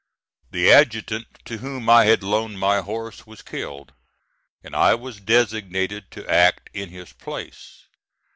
The adjutant to whom I had loaned my horse was killed, and I was designated to act in his place.